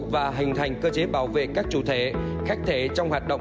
và hình thành cơ chế bảo vệ các chủ thể khách thể trong hoạt động